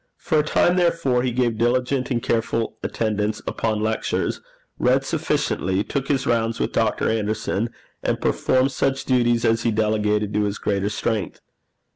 For a time, therefore, he gave a diligent and careful attendance upon lectures, read sufficiently, took his rounds with Dr. Anderson, and performed such duties as he delegated to his greater strength.